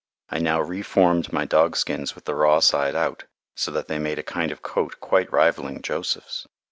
I now re formed my dog skins with the raw side out, so that they made a kind of coat quite rivalling Joseph's.